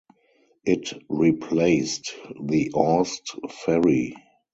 It replaced the Aust ferry.